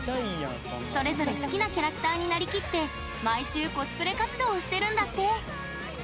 それぞれ好きなキャラクターになりきって、毎週コスプレ活動をしてるんだって。